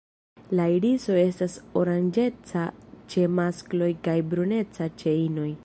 La iriso estas oranĝeca ĉe maskloj kaj bruneca ĉe inoj.